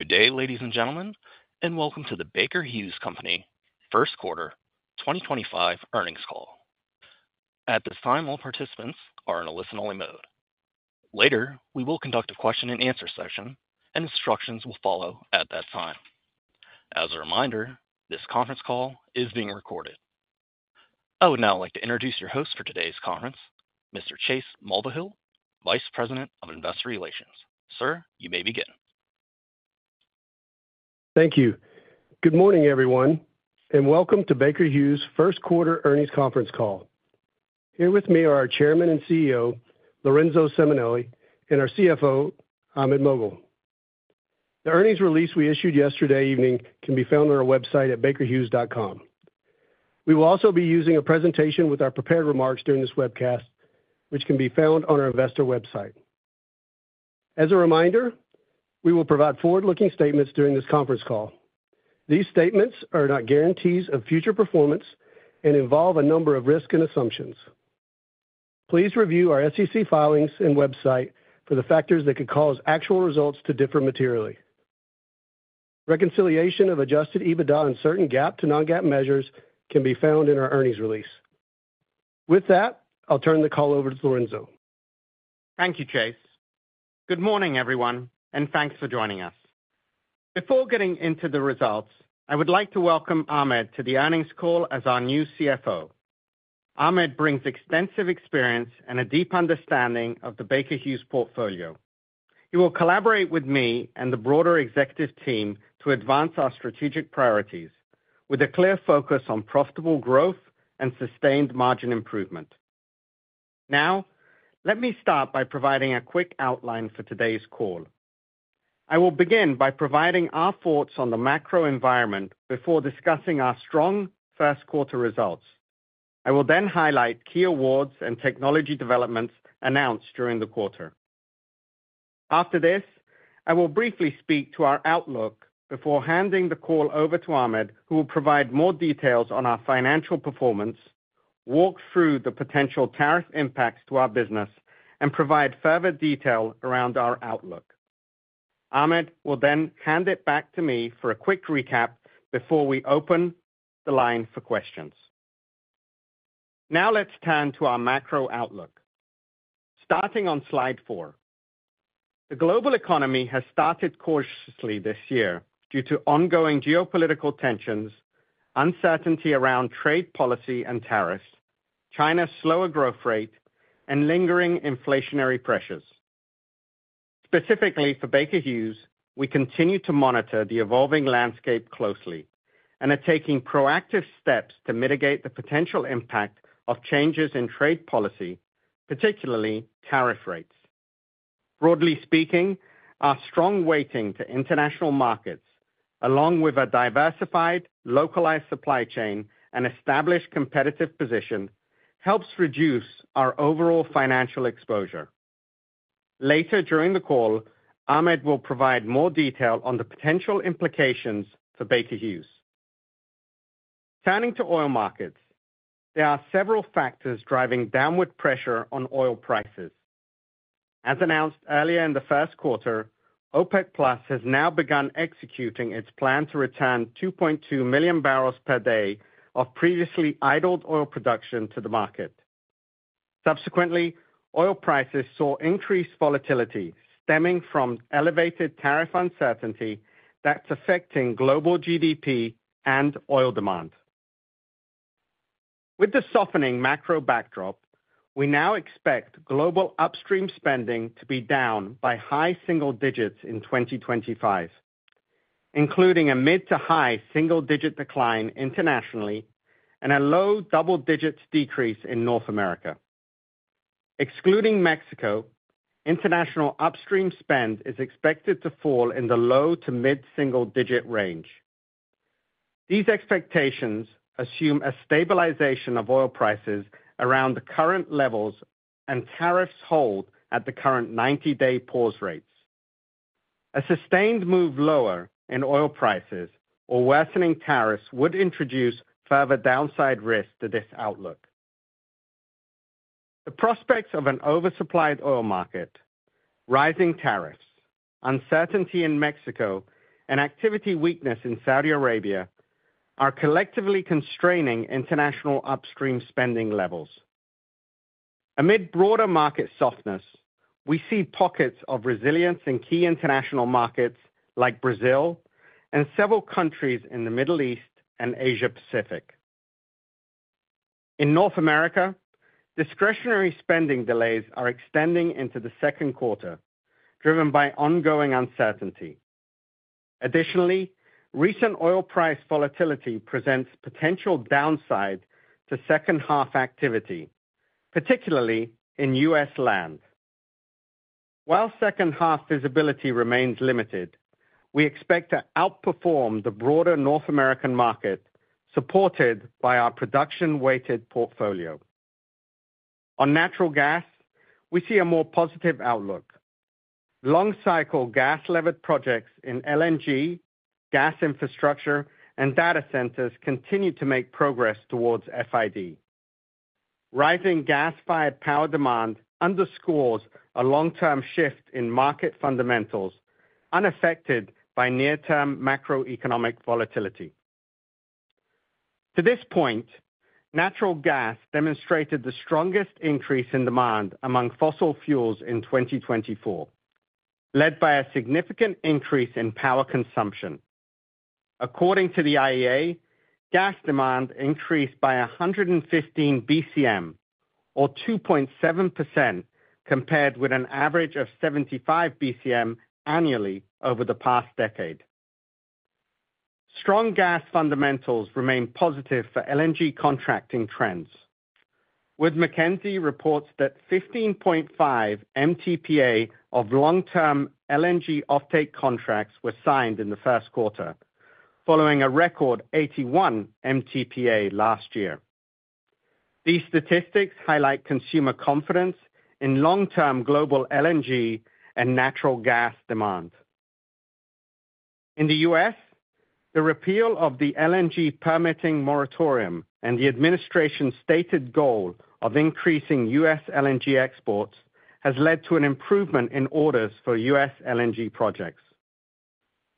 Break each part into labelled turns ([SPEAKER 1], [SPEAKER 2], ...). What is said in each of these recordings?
[SPEAKER 1] Good day ladies and gentlemen and welcome to the Baker Hughes Company First Quarter 2025 Earnings Call. At this time, all participants are in a listen only mode. Later we will conduct a question and answer session and instructions will follow at that time. As a reminder, this conference call is being recorded. I would now like to introduce your host for today's conference, Mr. Chase Mulvehill, Vice President of Investor Relations. Sir, you may begin.
[SPEAKER 2] Thank you. Good morning everyone and welcome to Baker Hughes First Quarter Earnings Conference Call. Here with me are our Chairman and CEO Lorenzo Simonelli and our CFO Ahmed Moghal. The earnings release we issued yesterday evening can be found on our website at bakerhughes.com. We will also be using a presentation with our prepared remarks during this webcast which can be found on our investor website. As a reminder, we will provide forward looking statements during this conference call. These statements are not guarantees of future performance and involve a number of risks and assumptions. Please review our SEC filings and website for the factors that could cause actual results to differ materially. Reconciliation of adjusted EBITDA on certain GAAP to non-GAAP measures can be. Found in our earnings release. With that, I'll turn the call over to Lorenzo.
[SPEAKER 3] Thank you, Chase. Good morning everyone and thanks for joining us. Before getting into the results, I would like to welcome Ahmed to the earnings call as our new CFO. Ahmed brings extensive experience and a deep understanding of the Baker Hughes portfolio. He will collaborate with me and the broader executive team to advance our strategic priorities with a clear focus on profitable growth and sustained margin improvement. Now, let me start by providing a quick outline for today's call. I will begin by providing our thoughts on the macro environment before discussing our strong first quarter results. I will then highlight key awards and technology developments announced during the quarter After this, I will briefly speak to our outlook before handing the call over to Ahmed, who will provide more details on our financial performance, walk through the potential tariff impacts to our business and provide further detail around our outlook. Ahmed will then hand it back to me for a quick recap before we open the line for questions. Now let's turn to our macro outlook. Starting on Slide 4. The global economy has started cautiously this year due to ongoing geopolitical tensions, uncertainty around trade policy and tariffs, China's slower growth rate and lingering inflationary pressures. Specifically for Baker Hughes, we continue to monitor the evolving landscape closely and are taking proactive steps to mitigate the potential impact of changes in trade policy, particularly tariff rates. Broadly speaking, our strong weighting to international markets, along with a diversified localized supply chain and established competitive position helps reduce our overall financial exposure. Later during the call, Ahmed will provide more detail on the potential implications for Baker Hughes. Turning to oil markets, there are several factors driving downward pressure on oil prices. As announced earlier in the first quarter, OPEC has now begun executing its plan to return 2.2 million barrels per day of previously idled oil production to the market. Subsequently, oil prices saw increased volatility stemming from elevated tariff uncertainty that's affecting global GDP and oil demand. With the softening macro backdrop, we now expect global upstream spending to be down by high single digits in 2025, including a mid to high single digit decline internationally and a low double digit decrease in North America, excluding Mexico. International upstream spend is expected to fall in the low to mid single digit range. These expectations assume a stabilization of oil prices around the current levels and tariffs hold at the current 90 day pause rates. A sustained move lower in oil prices or worsening tariffs would introduce further downside risk to this outlook. The prospects of an oversupplied oil market, rising tariffs, uncertainty in Mexico and activity weakness in Saudi Arabia are collectively constraining international upstream spending levels. Amid broader market softness, we see pockets of resilience in key international markets like Brazil and several countries in the Middle East and Asia Pacific. In North America, discretionary spending delays are extending into the second quarter driven by ongoing uncertainty. Additionally, recent oil price volatility presents potential downside to second half activity, particularly in U.S. land. While second half visibility remains limited, we expect to outperform the broader North American market supported by our production weighted portfolio. On natural gas, we see a more positive outlook. Long cycle gas levered projects in LNG, gas infrastructure, and data centers continue to make progress towards FID. Rising gas fired power demand underscores a long term shift in market fundamentals unaffected by near term macroeconomic volatility. To this point, natural gas demonstrated the strongest increase in demand among fossil fuels in 2024, led by a significant increase in power consumption. According to the IEA, gas demand increased by 115 BCM or 2.7% compared with an average of 75 BCM annually over the past decade. Strong gas fundamentals remain positive for LNG contracting trends. Wood Mackenzie reports that 15.5 MTPA of long term LNG offtake contracts were signed in the first quarter following a record 81 MTPA last year. These statistics highlight consumer confidence in long term global LNG and natural gas demand in the U.S. The repeal of the LNG permitting moratorium and the administration's stated goal of increasing U.S. LNG exports has led to an improvement in orders for U.S. LNG projects.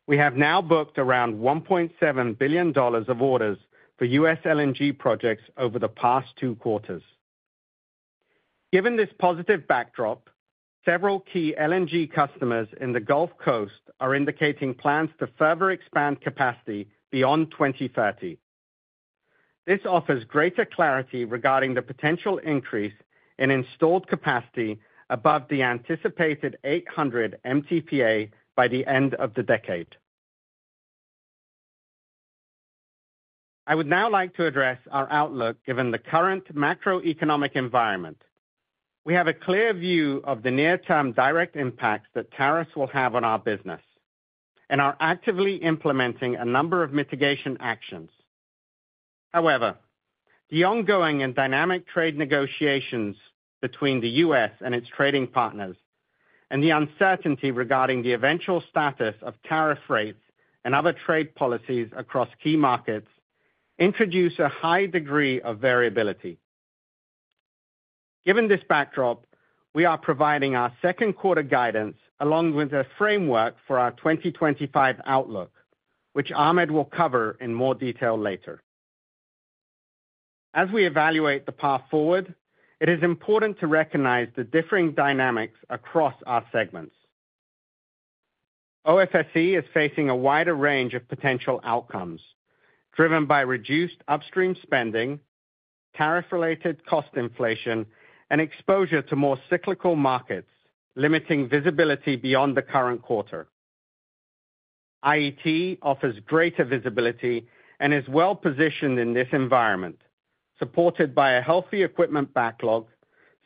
[SPEAKER 3] We have now booked around $1.7 billion of orders for U.S. LNG projects over the past two quarters. Given this positive backdrop, several key LNG customers in the Gulf Coast are indicating plans to further expand capacity beyond 2030. This offers greater clarity regarding the potential increase in installed capacity above the anticipated 800 MTPA by the end of the decade. I would now like to address our outlook. Given the current macroeconomic environment, we have a clear view of the near term direct impacts that tariffs will have on our business and are actively implementing a number of mitigation actions. However, the ongoing and dynamic trade negotiations between the U.S. and its trading partners and the uncertainty regarding the eventual status of tariff rates and other trade policies across key markets introduce a high degree of variability. Given this backdrop, we are providing our second quarter guidance along with a framework for our 2025 outlook, which Ahmed will cover in more detail later. As we evaluate the path forward, it is important to recognize the differing dynamics across our segments. OFSE is facing a wider range of potential outcomes driven by reduced upstream spending, tariff related cost, inflation and exposure to more cyclical markets. Limiting visibility beyond the current quarter, IET offers greater visibility and is well positioned in this environment. Supported by a healthy equipment backlog,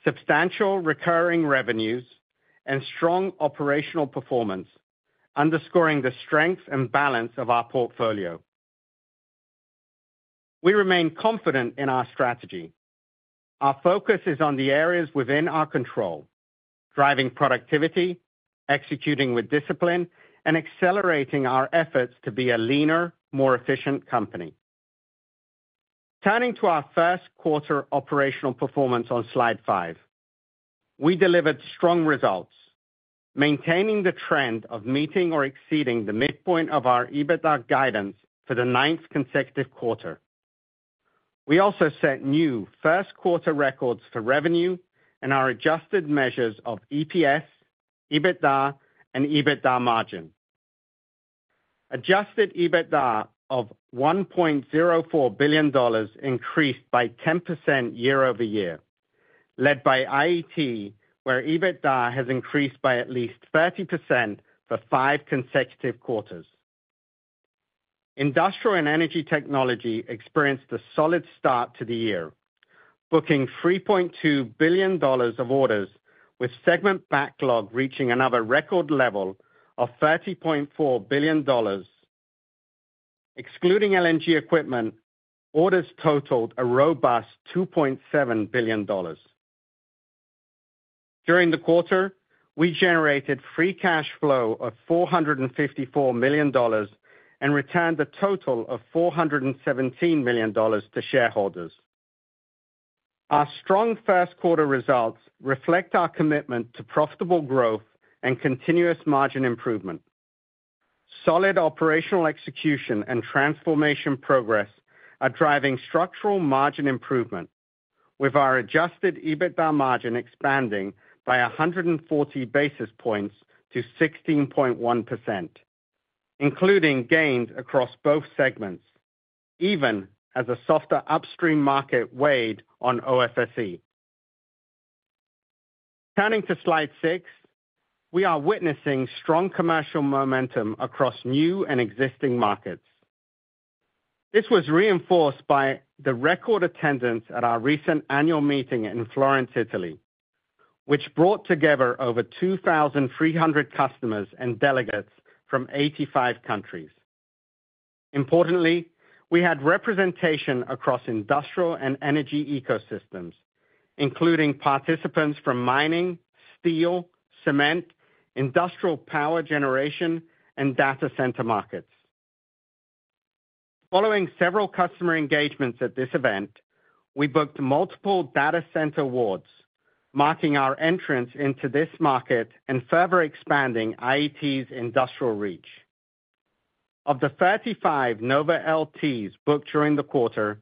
[SPEAKER 3] substantial recurring revenues and strong operational performance. Underscoring the strength and balance of our portfolio, we remain confident in our strategy. Our focus is on the areas within our control, driving productivity, executing with discipline, and accelerating our efforts to be a leaner, more efficient company. Turning to our first quarter operational performance on Slide 5, we delivered strong results, maintaining the trend of meeting or exceeding the midpoint of our EBITDA guidance for the ninth consecutive quarter. We also set new first quarter records for revenue and our adjusted measures of EPS, EBITDA, and EBITDA margin. Adjusted EBITDA of $1.04 billion increased by 10% year-over-year, led by IET, where EBITDA has increased by at least 30% for five consecutive quarters. Industrial and Energy Technology experienced a solid start to the year, booking $3.2 billion of orders, with segment backlog reaching another record level of $30.4 billion. Excluding LNG equipment, orders totaled a robust $2.7 billion during the quarter. We generated free cash flow of $454 million and returned a total of $417 million to shareholders. Our strong first quarter results reflect our commitment to profitable growth and continuous margin improvement. Solid operational execution and transformation progress are driving structural margin improvement with our adjusted EBITDA margin expanding by 140 basis points to 16.1% including gains across both segments. Even as a softer upstream market weighed on OFSE, turning to Slide 6, we are witnessing strong commercial momentum across new and existing markets. This was reinforced by the record attendance at our recent annual meeting in Florence, Italy, which brought together over 2,300 customers and delegates from 85 countries. Importantly, we had representation across industrial and energy ecosystems including participants from mining, steel, cement, industrial power generation, and data center markets. Following several customer engagements at this event, we booked multiple data center awards marking our entrance into this market and further expanding IET's industrial reach. Of the 35 NovaLT turbines booked during the quarter,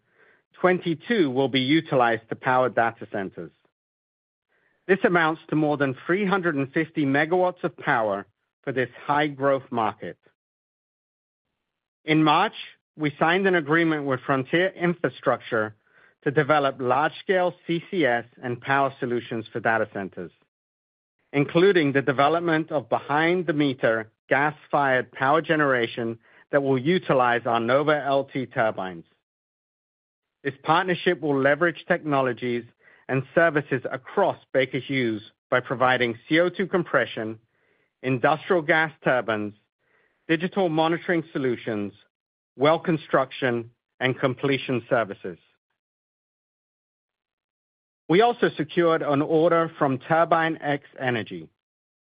[SPEAKER 3] 22 will be utilized to power data centers. This amounts to more than 350 MW of power for this high growth market. In March we signed an agreement with Frontier Infrastructure to develop large scale CCS and power solutions for data centers including the development of behind the meter gas fired power generation that will utilize our NovaLT turbines. This partnership will leverage technologies and services across Baker Hughes by providing CO2 compression, industrial gas turbines, digital monitoring solutions, well construction and completion services. We also secured an order from TURBINE-X Energy,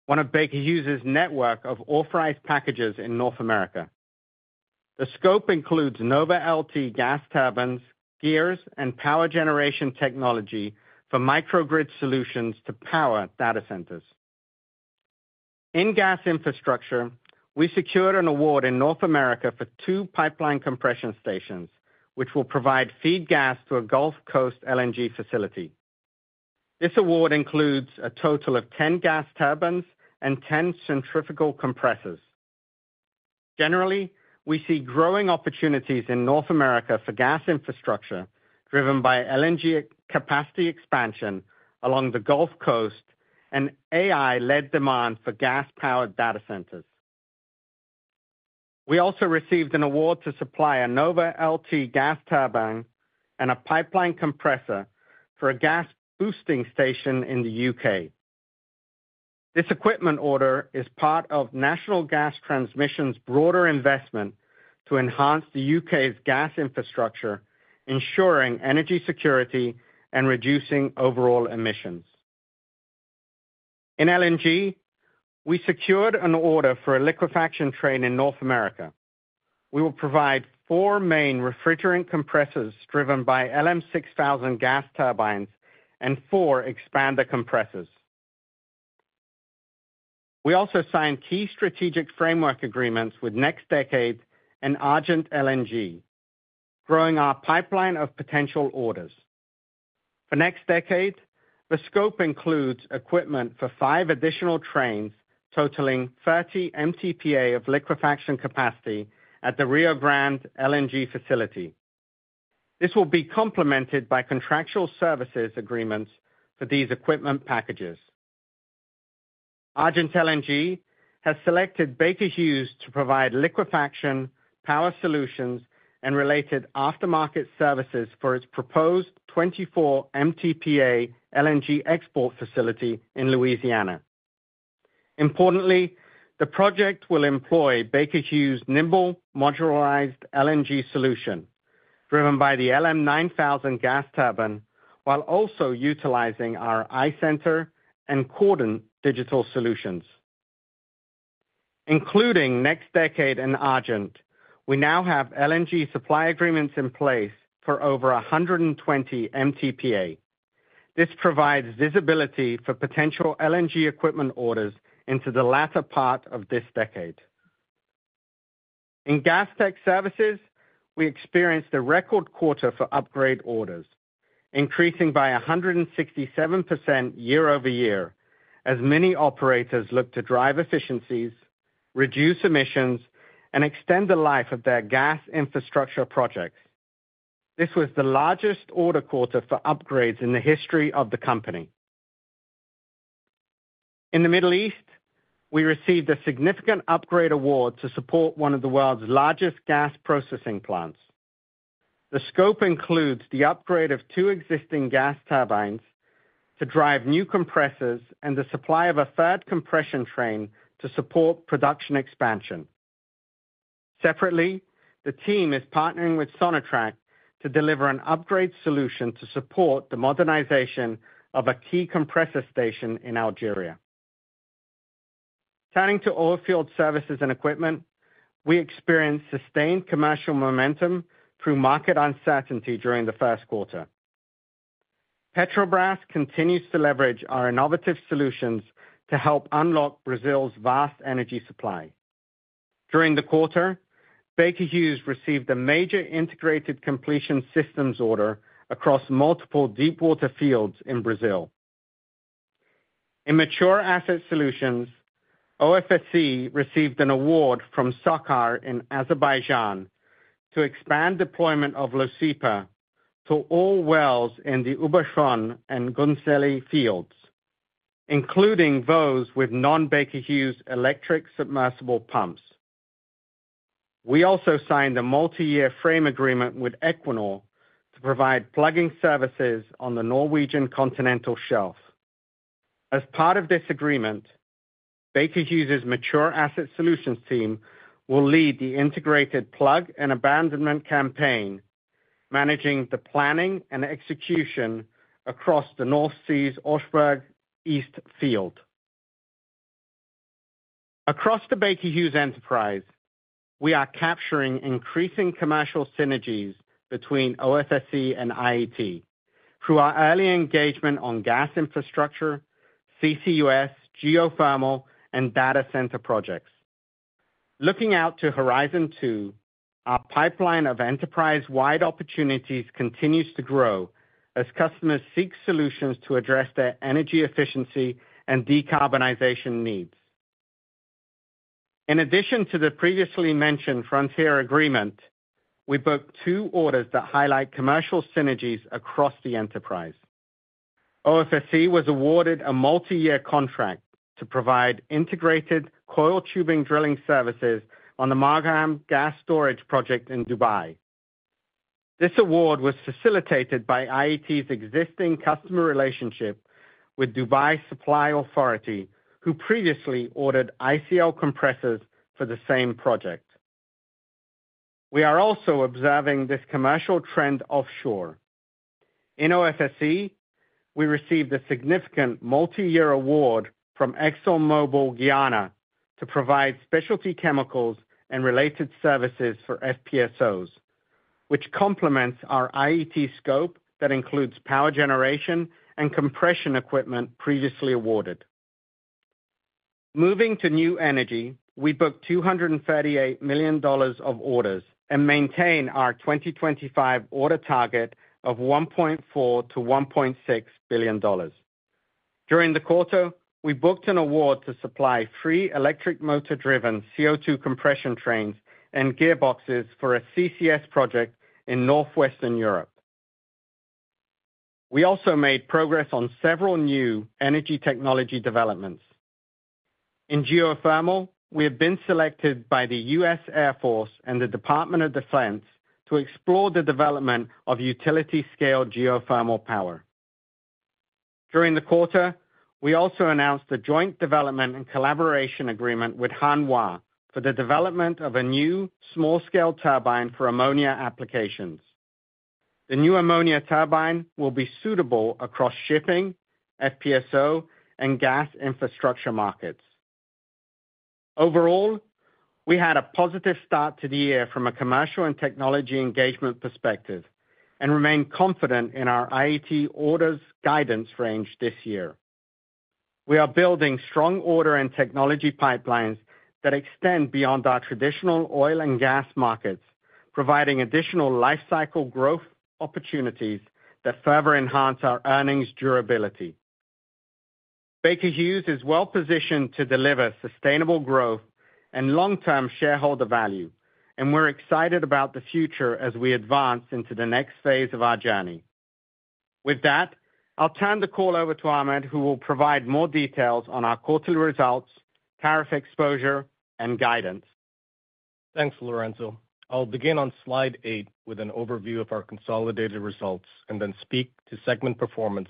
[SPEAKER 3] one of Baker Hughes' network of authorized packagers in North America. The scope includes NovaLT gas turbines, gears and power generation technology for micro grid solutions to power data centers in gas infrastructure. We secured an award in North America for two pipeline compression stations which will provide feed gas to a Gulf Coast LNG facility. This award includes a total of 10 gas turbines and 10 centrifugal compressors. Generally, we see growing opportunities in North America for gas infrastructure driven by LNG capacity expansion along the Gulf Coast and AI led demand for gas powered data centers. We also received an award to supply a NovaLT gas turbine and a pipeline compressor for a gas boosting station in the U.K. This equipment order is part of National Gas Transmission's broader investment to enhance the U.K.'s gas infrastructure, ensuring energy security and reducing overall emissions. In LNG, we secured an order for a liquefaction train in North America. We will provide four main refrigerant compressors driven by LM6000 gas turbines and four expander compressors. We also signed key strategic framework agreements with NextDecade and Argent LNG growing our pipeline of potential orders for next decade. The scope includes equipment for five additional trains totaling 30 MTPA of liquefaction capacity at the Rio Grande LNG facility. This will be complemented by contractual services agreements for these equipment packages. Argent LNG has selected Baker Hughes to provide liquefaction power solutions and related aftermarket services for its proposed 24 MTPA LNG export facility in Louisiana. Importantly, the project will employ Baker Hughes' nimble modularized LNG solution driven by the LM9000 gas turbine while also utilizing our iCenter and Cordant Digital Solutions. Including NextDecade and Argent. We now have LNG supply agreements in place for over 120 MTPA. This provides visibility for potential LNG equipment orders into the latter part of this decade. In Gas Tech services, we experienced a record quarter for upgrade orders increasing by 167% year-over-year as many operators look to drive efficiencies, reduce emissions, and extend the life of their gas infrastructure projects. This was the largest order quarter for upgrades in the history of the company. In the Middle East, we received a significant upgrade award to support one of the world's largest gas processing plants. The scope includes the upgrade of two existing gas turbines to drive new compressors and the supply of a third compression train to support production expansion. Separately, the team is partnering with Sonatrach to deliver an upgrade solution to support the modernization of a key compressor station in Algeria. Turning to Oilfield Services and Equipment, we experienced sustained commercial momentum through market uncertainty during the first quarter. Petrobras continues to leverage our innovative solutions to help unlock Brazil's vast energy supply. During the quarter, Baker Hughes received a major integrated completion systems order across multiple deepwater fields in Brazil. In Mature Asset Solutions, OFSE received an award from SOCAR in Azerbaijan to expand deployment of Leucipa to all wells in the Absheron and Gunashli fields including those with non-Baker Hughes electric submersible pumps. We also signed a multi-year frame agreement with Equinor to provide plugging services on the Norwegian continental shelf. As part of this agreement, Baker Hughes' mature asset solutions team will lead the integrated plug and abandonment campaign managing the planning and execution across the North Sea's Oseberg East field. Across the Baker Hughes enterprise, we are capturing increasing commercial synergies between OFSE and IET through our early engagement on gas infrastructure, CCUS, geothermal and data center projects. Looking out to Horizon 2, our pipeline of enterprise wide opportunities continues to grow as customers seek solutions to address their energy efficiency and decarbonization needs. In addition to the previously mentioned frontier agreement, we booked two orders that highlight commercial synergies across the enterprise. OFSE was awarded a multi year contract to provide integrated coil tubing drilling services on the Margham Gas Storage Project in Dubai. This award was facilitated by IET's existing customer relationship with Dubai Supply Authority who previously ordered ICL compressors for the same project. We are also observing this commercial trend offshore. In OFSE, we received a significant multi-year award from ExxonMobil Guyana to provide specialty chemicals and related services for FPSOs, which complements our IET scope that includes power generation and compression equipment previously awarded. Moving to New Energy, we booked $238 million of orders and maintain our 2025 order target of $1.4 billion - $1.6 billion. During the quarter, we booked an award to supply three electric motor-driven CO2 compression trains and gearboxes for a CCS project in Northwestern Europe. We also made progress on several new energy technology developments. In geothermal, we have been selected by the U.S. Air Force and the Department of Defense to explore the development of utility-scale geothermal power. During the quarter, we also announced a joint development and collaboration agreement with Hanwha for the development of a new small-scale turbine for ammonia applications. The new ammonia turbine will be suitable across shipping, FPSO and gas infrastructure markets. Overall, we had a positive start to the year from a commercial and technology engagement perspective and remain confident in our IET orders guidance range. This year we are building strong order and technology pipelines that extend beyond our traditional oil and gas markets, providing additional lifecycle growth opportunities that further enhance our earnings durability. Baker Hughes is well positioned to deliver sustainable growth and long term shareholder value and we're excited about the future as we advance into the next phase of our journey. With that, I'll turn the call over to Ahmed who will provide more details on our quarterly results, tariff exposure and guidance.
[SPEAKER 4] Thanks Lorenzo. I'll begin on Slide 8 with an overview of our consolidated results and then speak to segment performance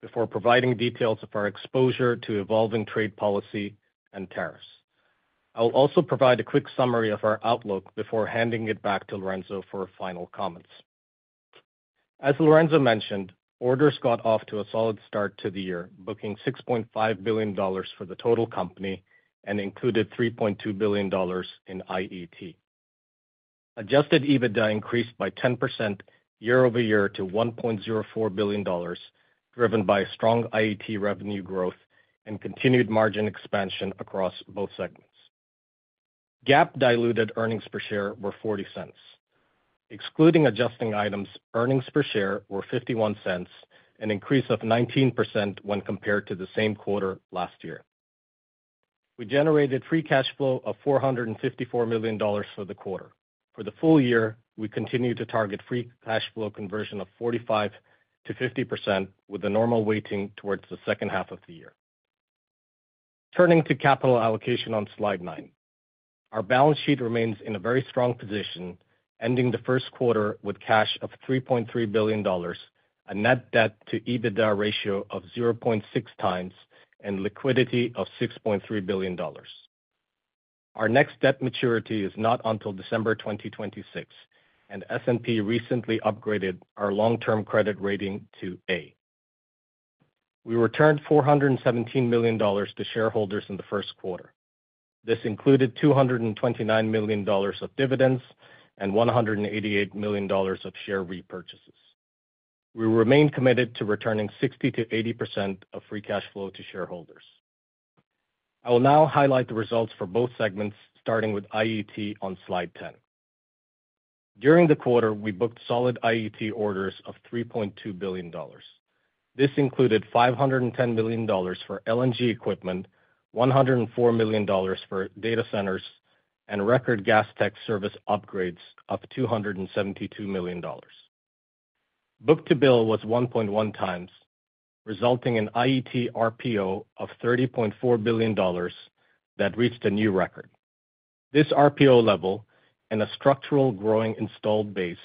[SPEAKER 4] before providing details of our exposure to evolving trade policy and tariffs. I will also provide a quick summary of our outlook before handing it back to Lorenzo for final comments. As Lorenzo mentioned, orders got off to a solid start to the year, booking $6.5 billion for the total company and included $3.2 billion in IET. Adjusted EBITDA increased by 10% year-over-year to $1.04 billion, driven by strong IET revenue growth and continued margin expansion across both segments. GAAP diluted earnings per share were $0.40. Excluding adjusting items, earnings per share were $0.51, an increase of 19% when compared to the same quarter last year. We generated free cash flow of $454 million for the quarter. For the full year, we continue to target free cash flow conversion of 45%-50% with a normal weighting towards the second half of the year. Turning to capital allocation on Slide 9. Our balance sheet remains in a very strong position ending the first quarter with cash of $3.3 billion, a net debt to EBITDA ratio of 0.6 times and liquidity of $6.3 billion. Our next debt maturity is not until December 2026 and S&P recently upgraded our long term credit rating to A. We returned $417 million to shareholders in the first quarter. This included $229 million of dividends and $188 million of share repurchases. We remain committed to returning 60%-80% of free cash flow to shareholders. I will now highlight the results for both segments starting with IET on Slide 10. During the quarter we booked solid IET orders of $3.2 billion. This included $510 million for LNG equipment, $104 million for data centers and record Gas Tech service upgrades of $272 million. Book to bill was 1.1 times, resulting in IET RPO of $30.4 billion that reached a new record. This RPO level and a structural growing installed base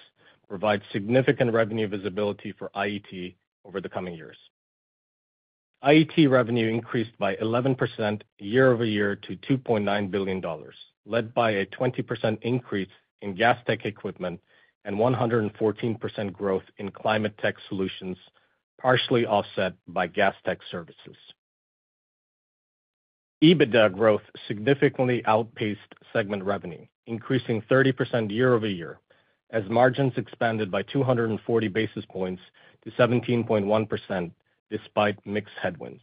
[SPEAKER 4] provides significant revenue visibility for IET over the coming years. IET revenue increased by 11% year-over-year to $2.9 billion, led by a 20% increase in Gas Tech equipment and 114% growth in climate tech solutions, partially offset by Gas Tech Services. EBITDA growth significantly outpaced segment revenue, increasing 30% year-over-year as margins expanded by 240 basis points to 17.1% despite mixed headwinds.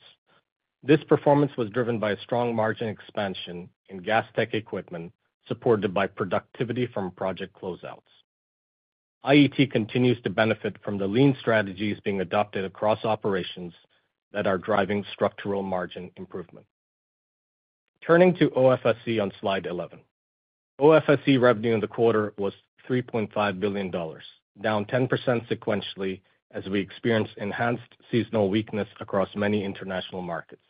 [SPEAKER 4] This performance was driven by a strong margin expansion in Gas Tech equipment supported by productivity from project closeouts. IET continues to benefit from the lean strategies being adopted across operations that are driving structural margin improvement. Turning to OFSE on Slide 11, OFSE revenue in the quarter was $3.5 billion, down 10% sequentially as we experience enhanced seasonal weakness across many international markets.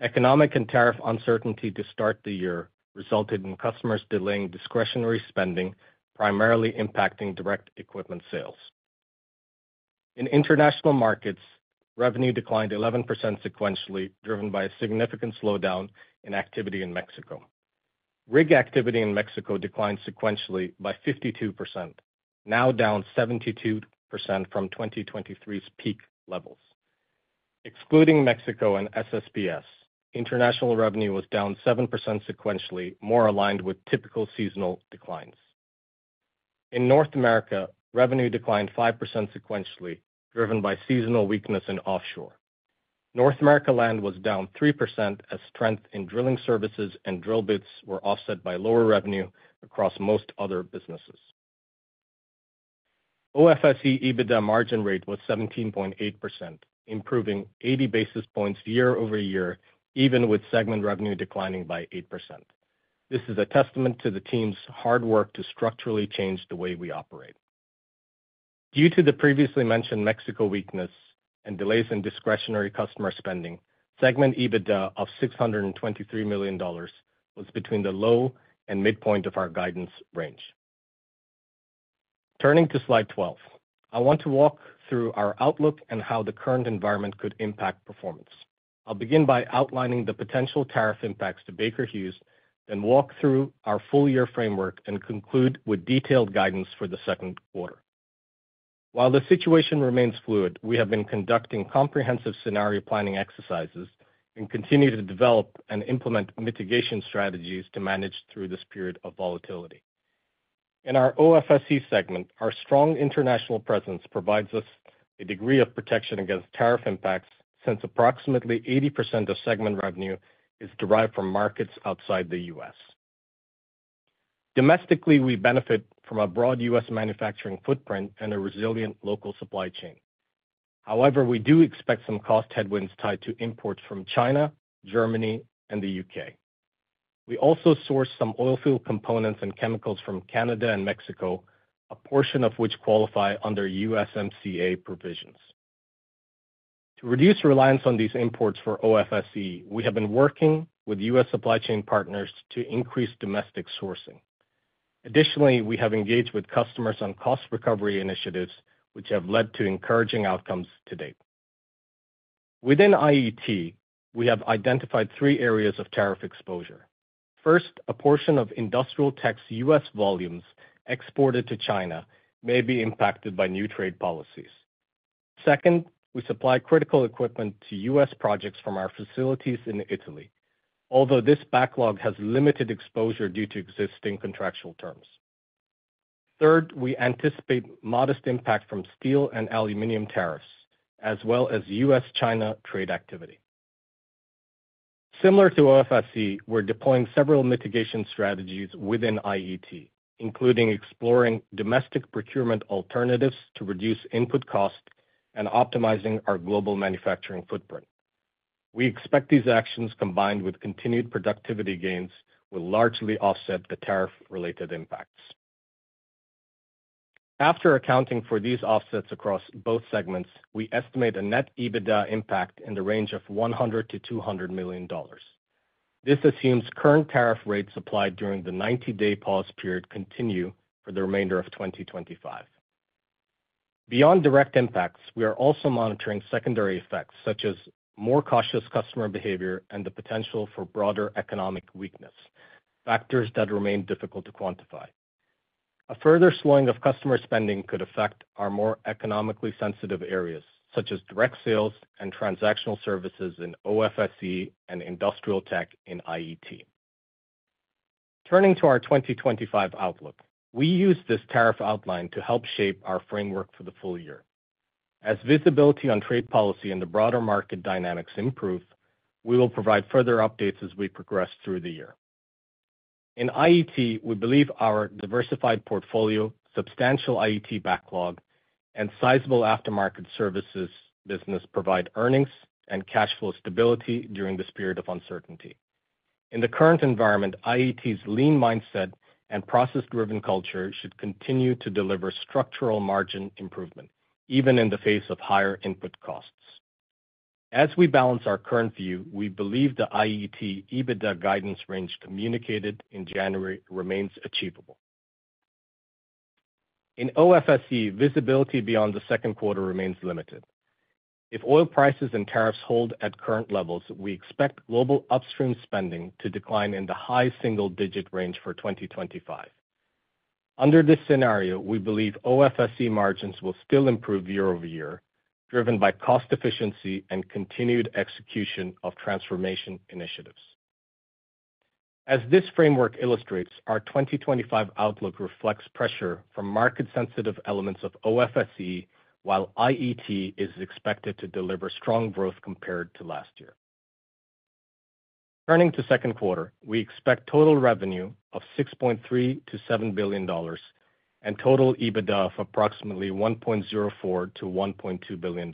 [SPEAKER 4] Economic and tariff uncertainty to start the year resulted in customers delaying discretionary spending, primarily impacting direct equipment sales. In international markets, revenue declined 11% sequentially driven by a significant slowdown in activity in Mexico. Rig activity in Mexico declined sequentially by 52%, now down 72% from 2023's peak levels. Excluding Mexico and SSPS, international revenue was down 7% sequentially, more aligned with typical seasonal declines. In North America, revenue declined 5% sequentially driven by seasonal weakness. In offshore North America, land was down 3% as strength in drilling services and drill bits were offset by lower revenue across most other businesses. OFSE EBITDA margin rate was 17.8%, improving 80 basis points year-over-year even with segment revenue declining by 8%. This is a testament to the team's hard work to structurally change the way we operate. Due to the previously mentioned Mexico weakness and delays in discretionary customer spending, segment EBITDA of $623 million was between the low and midpoint of our guidance range. Turning to Slide 12, I want to walk through our outlook and how the current environment could impact performance. I'll begin by outlining the potential tariff impacts to Baker Hughes, then walk through our full year framework and conclude with detailed guidance for the second quarter. While the situation remains fluid, we have been conducting comprehensive scenario planning exercises and continue to develop and implement mitigation strategies to manage through this period of volatility in our OFSE segment. Our strong international presence provides us a degree of protection against tariff impacts since approximately 80% of segment revenue is derived from markets outside the U.S. Domestically, we benefit from a broad U.S. manufacturing footprint and a resilient local supply chain. However, we do expect some cost headwinds tied to imports from China, Germany, and the U.K. We also sourced some oilfield components and chemicals from Canada and Mexico, a portion of which qualify under USMCA provisions. To reduce reliance on these imports for OFSE, we have been working with U.S. supply chain partners to increase domestic sourcing. Additionally, we have engaged with customers on cost recovery initiatives which have led to encouraging outcomes, to date. Within IET, we have identified three areas of tariff exposure. First, a portion of Industrial Tech's U.S. volumes exported to China may be impacted by new trade policies. Second, we supply critical equipment to U.S. projects from our facilities in Italy, although this backlog has limited exposure due to existing contractual terms. Third, we anticipate modest impact from steel and aluminum tariffs as well as U.S.-China trade activity. Similar to OFSE, we're deploying several mitigation strategies within IET, including exploring domestic procurement alternatives to reduce input cost and optimizing our global manufacturing footprint. We expect these actions, combined with continued productivity gains, will largely offset the tariff related impacts. After accounting for these offsets across both segments, we estimate a net EBITDA impact in the range of $100 million - $200 million. This assumes current tariff rates applied during the 90 day pause period continue for the remainder of 2025. Beyond direct impacts, we are also monitoring secondary effects such as more cautious customer behavior and the potential for broader economic weakness, factors that remain difficult to quantify. A further slowing of customer spending could affect our more economically sensitive areas such as direct sales and transactional services in OFSE and Industrial Tech in IET. Turning to our 2025 outlook, we used this tariff outline to help shape our framework for the full year. As visibility on trade policy and the broader market dynamics improve, we will provide further updates as we progress through the year. In IET, we believe our diversified portfolio, substantial IET backlog and sizable aftermarket services business provide earnings and cash flow stability during this period of uncertainty. In the current environment, IET's lean mindset and process-driven culture should continue to deliver structural margin improvement even in the face of higher input costs. As we balance our current view, we believe the IET EBITDA guidance range communicated in January remains achievable. In OFSE, visibility beyond the second quarter remains limited. If oil prices and tariffs hold at current levels, we expect global upstream spending to decline in the high single-digit range for 2025. Under this scenario, we believe OFSE margins will still improve year-over-year driven by cost efficiency and continued execution of transformation initiatives. As this framework illustrates, our 2025 outlook reflects pressure from market sensitive elements of OFSE, while IET is expected to deliver strong growth compared to last year. Turning to second quarter, we expect total revenue of $6.3 billion - $7 billion and total EBITDA of approximately $1.04 billion - $1.2 billion.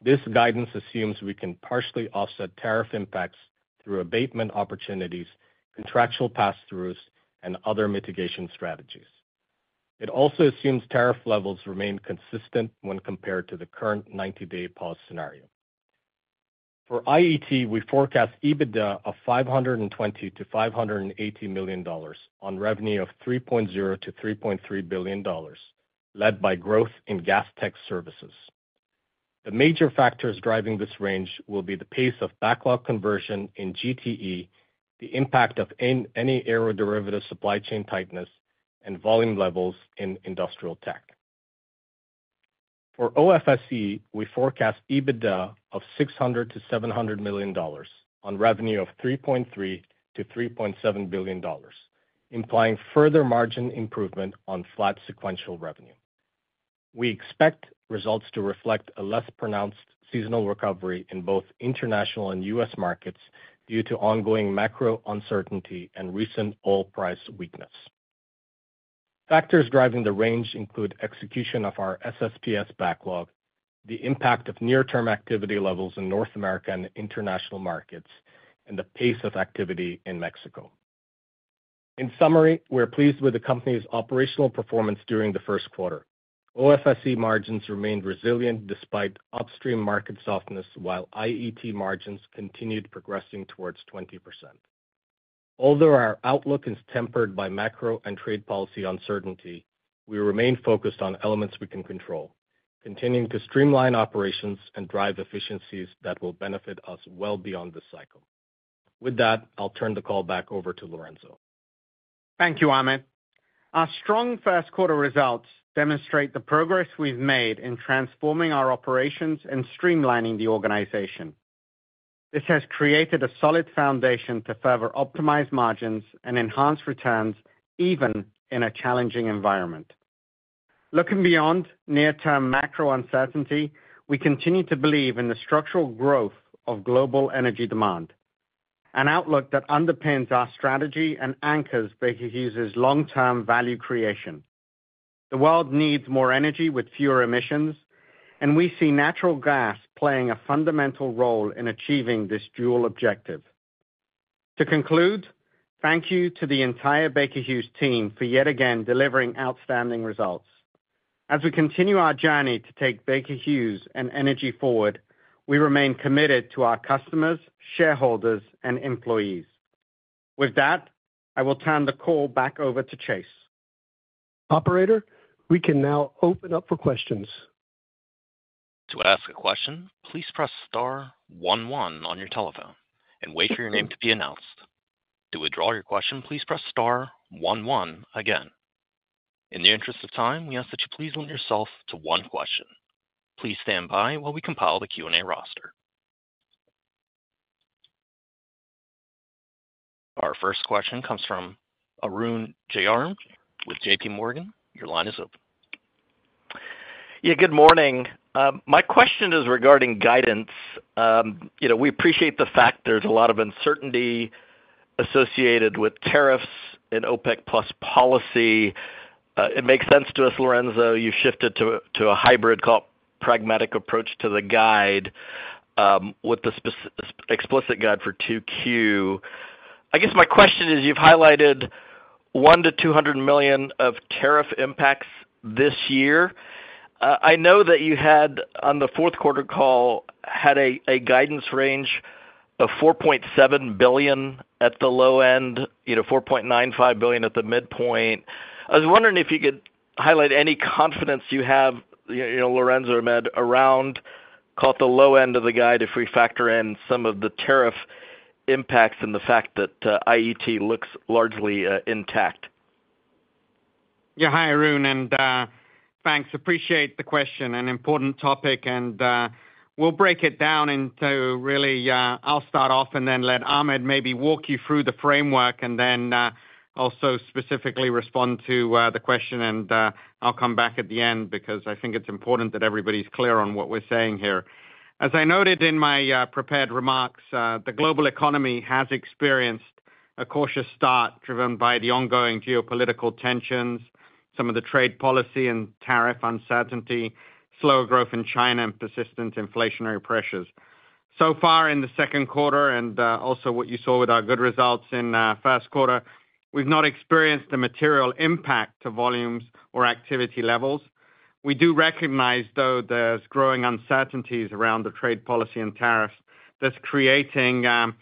[SPEAKER 4] This guidance assumes we can partially offset tariff impacts through abatement opportunities, contractual pass throughs and other mitigation strategies. It also assumes tariff levels remain consistent when compared to the current 90 day pause scenario. For IET, we forecast EBITDA of $520 million - $580 million on revenue of $3.0 billion - $3.3 billion, led by growth in Gas Tech Services. The major factors driving this range will be the pace of backlog conversion in IET, the impact of any aeroderivative supply chain tightness, and volume levels in Industrial Tech. For OFSE, we forecast EBITDA of $600 million - $700 million on revenue of $3.3 billion - $3.7 billion, implying further margin improvement on flat sequential revenue. We expect results to reflect a less pronounced seasonal recovery in both international and U.S. markets due to ongoing macro uncertainty and recent oil price weakness. Factors driving the range include execution of our SSPS backlog, the impact of near term activity levels in North America and international markets, and the pace of activity in Mexico. In summary, we're pleased with the company's operational performance during the first quarter. OFSE margins remained resilient despite upstream market softness while IET margins continued progressing towards 20%. Although our outlook is tempered by macro and trade policy uncertainty, we remain focused on elements we can control, continuing to streamline operations and drive efficiencies that will benefit us well beyond the cycle. With that, I'll turn the call back over to Lorenzo.
[SPEAKER 3] Thank you, Ahmed. Our strong first quarter results demonstrate the progress we've made in transforming our operations and streamlining the organization. This has created a solid foundation to further optimize margins and enhance returns even in a challenging environment. Looking beyond near term macro uncertainty, we continue to believe in the structural growth of global energy demand, an outlook that underpins our strategy and anchors Baker Hughes long term value creation. The world needs more energy with fewer emissions and we see natural gas playing a fundamental role in achieving this dual objective. To conclude, thank you to the entire Baker Hughes team for yet again delivering outstanding results as we continue our journey to take Baker Hughes and energy forward. We remain committed to our customers, shareholders and employees. With that, I will turn the call back over to Chase.
[SPEAKER 2] Operator, we can now open up for questions.
[SPEAKER 1] To ask a question, please press star one one on your telephone and wait for your name to be announced. To withdraw your question, please press star one one again. In the interest of time, we ask that you please limit yourself to one question. Please stand by while we compile the Q&A roster. Our first question comes from Arun Jayaram with JPMorgan. Your line is open.
[SPEAKER 5] Yeah, good morning. My question is regarding guidance. You know, we appreciate the fact there's a lot of uncertainty associated with tariffs in OPEC policy. It makes sense to us. Lorenzo, you shifted to a hybrid pragmatic approach to the guide with the explicit guide for 2Q. I guess my question is you've highlighted $100 million - $200 million of tariff impacts this year. I know that you had on the fourth quarter call had a guidance range of $4.7 billion at the low end, $4.95 billion at the midpoint. I was wondering if you could highlight any confidence you have. Lorenzo Ahmed around. Call it the low end of the guide. If we factor in some of the tariff impacts and the fact that IET looks largely intact.
[SPEAKER 3] Yeah. Hi, Arun. Thanks. Appreciate it. An important topic and we'll break it down into really. I'll start off and then let Ahmed maybe walk you through the framework and then also specifically respond to the question. I'll come back at the end because I think it's important that everybody's clear on what we're saying here. As I noted in my prepared remarks, the global economy has experienced a cautious start driven by the ongoing geopolitical tensions, some of the trade policy and tariff uncertainty, slower growth in China and persistent inflationary pressures so far in the second quarter, and also what you saw with our good results in first quarter, we've not experienced a material impact to volumes or activity levels. We do recognize though, there's growing uncertainties around the trade policy and tariffs, thus creating some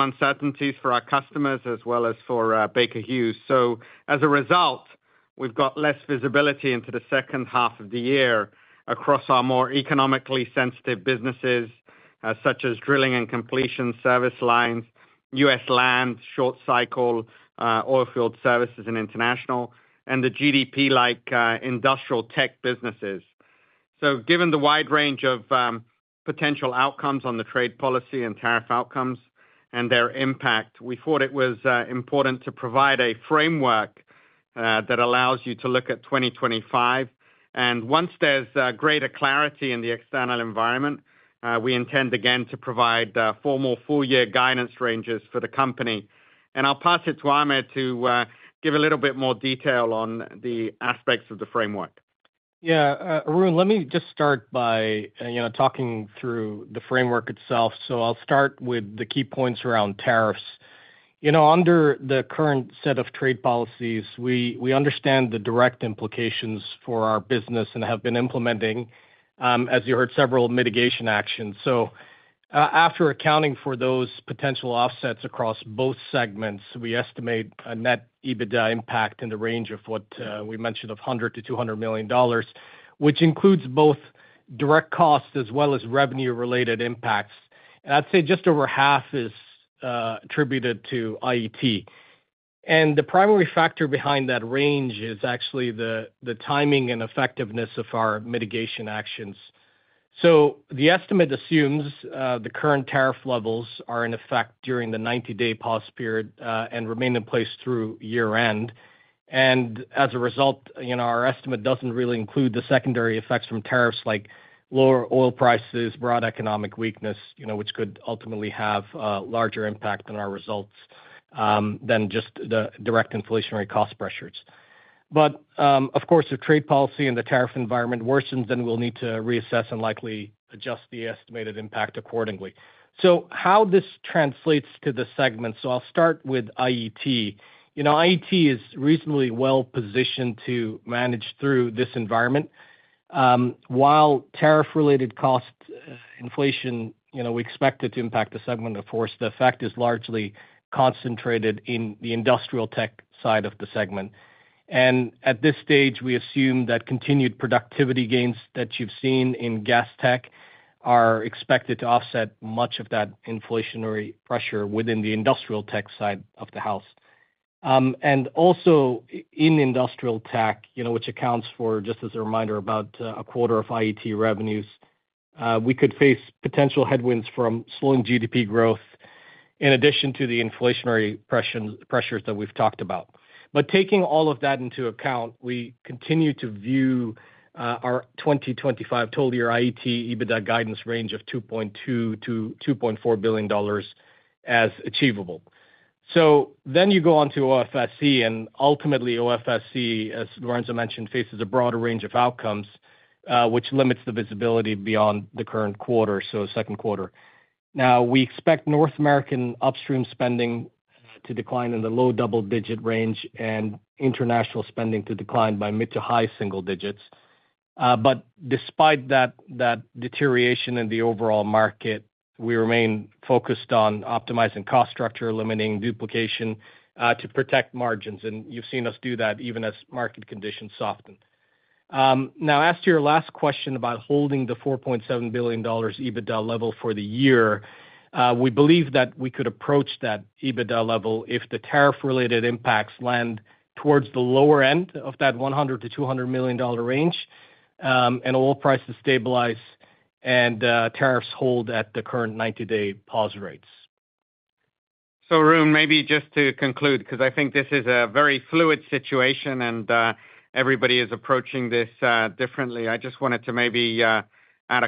[SPEAKER 3] uncertainties for our customers as well as for Baker Hughes. As a result, we've got less visibility into the second half of the year across our more economically sensitive businesses such as drilling and completion service lines, U.S. land, short cycle oil field services and international and the GDP like Industrial Tech businesses. Given the wide range of potential outcomes on the trade policy and tariff outcomes and their impact, we thought it was important to provide a framework that allows you to look at 2025. Once there's greater clarity in the external environment, we intend again to provide formal full year guidance ranges for the company. I'll pass it to Ahmed to give a little bit more detail on the aspects of the framework.
[SPEAKER 4] Yeah, Arun, let me just start by talking through the framework itself. I'll start with the key points around tariffs under the current set of trade policies. We understand the direct implications for our business and have been implementing, as you heard, several mitigation actions. After accounting for those potential offsets across both segments, we estimate a net EBITDA impact in the range of what we mentioned of $100 million - $200 million, which includes both direct costs as well as revenue related impacts. I'd say just over half is attributed to IET, and the primary factor behind that range is actually the timing and effectiveness of our mitigation actions. The estimate assumes the current tariff levels are in effect during the 90 day pause period and remain in place through year end. As a result, our estimate does not really include the secondary effects from tariffs like lower oil prices, broad economic weakness, which could ultimately have larger impact on our results than just the direct inflationary cost pressures. Of course, if trade policy and the tariff environment worsens, then we'll need to reassess and likely adjust the estimated impact accordingly. How this translates to the segment, I'll start with IET, you know, IET is reasonably well positioned to manage through this environment. While tariff related cost inflation, you know, we expect it to impact the segment of course, the effect is largely concentrated in the Industrial Tech side of the segment. And at this stage we assume that continued productivity gains that you've seen in Gas Tech are expected to offset much of that inflationary pressure within the Industrial Tech side of the house and also in Industrial Tech, which accounts for, just as a reminder, about a quarter of IET revenues. We could face potential headwinds from slowing GDP growth in addition to the inflationary pressures that we've talked about. Taking all of that into account, we continue to view our 2025 total year IET EBITDA guidance range of $2.2 billion - $2.4 billion as achievable. So, then you go on to OFSE, and ultimately OFSE, as Lorenzo mentioned, faces a broader range of outcomes which limits the visibility beyond the current quarter, second quarter. Now we expect North American upstream spending to decline in the low double digit range and international spending to decline by mid to high single digits. Despite that deterioration in the overall market, we remain focused on optimizing cost structure, limiting duplication to protect margins. You've seen us do that even as market conditions. Now, as to your last question about holding the $4.7 billion EBITDA level for the year, we believe that we could approach that EBITDA level if the tariff related impacts land towards the lower end of that $100 million - $200 million range and oil prices stabilize and tariffs hold at the current 90 day pause rates.
[SPEAKER 3] So Arun, maybe just to conclude, because I think this is a very fluid situation and everybody is approaching this differently, I just wanted to maybe a